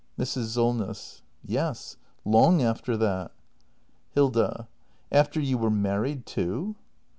Mrs. Solness. Yes, long after that. Hilda. After you were married, too?